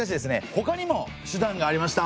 ほかにも手段がありました。